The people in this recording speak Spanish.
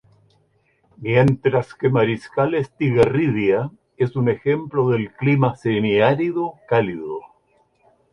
Mientras que Mariscal Estigarribia es un ejemplo del clima semiárido cálido.